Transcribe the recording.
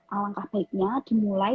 alangkah baiknya dimulai